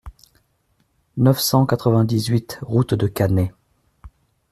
neuf cent quatre-vingt-dix-huit route de Cannet